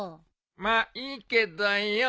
まあいいけどよ。